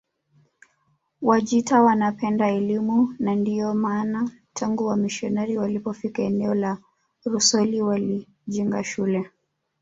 Wajita wanapenda elimu na ndiyo maana tangu wamisionari walipofika eneo la Rusoli walijenga shule